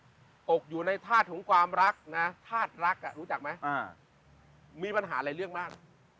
ตกอยู่ในฆาตของความรักนะฆาตรักอ่ะรู้จักมั้ยอ่ามีปัญหาหลายเรื่องมาก